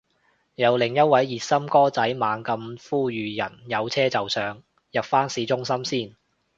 有另一位熱心哥仔猛咁呼籲人有車就上，入返市中心先